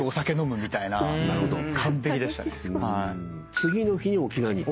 次の日に沖縄に行った？